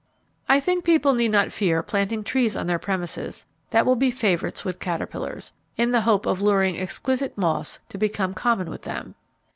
I think people need not fear planting trees on their premises that will be favourites with caterpillars, in the hope of luring exquisite te moths to become common with them.